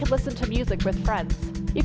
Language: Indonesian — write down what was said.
anda dapat mendengar musik dengan teman teman